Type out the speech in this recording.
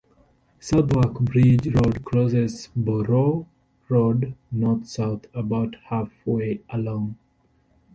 Southwark Bridge Road crosses Borough Road north-south about halfway along.